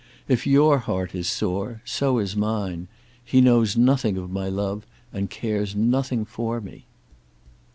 If your heart is sore, so is mine. He knows nothing of my love, and cares nothing for me."